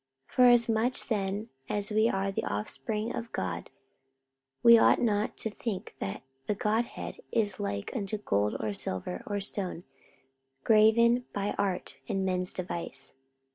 44:017:029 Forasmuch then as we are the offspring of God, we ought not to think that the Godhead is like unto gold, or silver, or stone, graven by art and man's device.